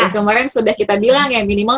kemarin sudah kita bilang ya minimal